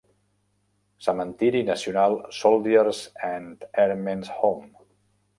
Cementiri nacional Soldiers' and Airmen's Home.